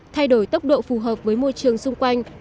thay đổi tốc độ phù hợp với môi trường xung quanh